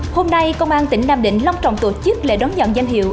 hôm nay công an tỉnh nam định long trọng tổ chức lễ đón nhận danh hiệu